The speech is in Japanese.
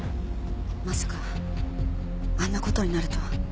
まさかあんな事になるとは。